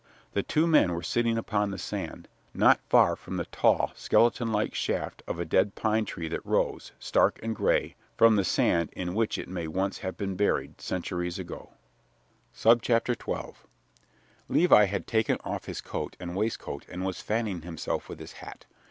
The two men were sitting upon the sand, not far from the tall, skeleton like shaft of a dead pine tree that rose, stark and gray, from the sand in which it may once have been buried, centuries ago. XII Levi had taken off his coat and waistcoat and was fanning himself with his hat.